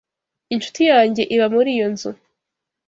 Inshuti yanjye iba muri iyo nzu.